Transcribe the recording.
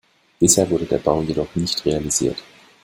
Bisher wurde der Bau jedoch nicht realisiert.